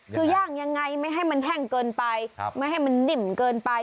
คือย่างยังไงไม่ให้มันแห้งเกินไปไม่ให้มันนิ่มเกินไป